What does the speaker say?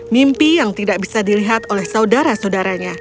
mimpi yang tidak bisa dilihat oleh saudara saudaranya